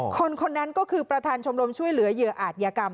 คนคนนั้นก็คือประธานชมรมช่วยเหลือเหยื่ออาจยากรรม